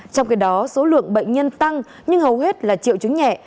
trong khi đó số lượng bệnh nhân tăng nhưng hầu hết là triệu chứng nhẹ